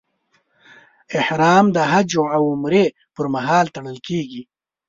احرام د حج او عمرې پر مهال تړل کېږي.